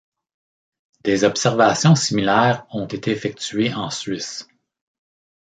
Des observations similaires ont été effectuées en Suisse.